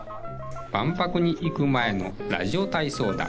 万博に行く前のラジオ体操だ。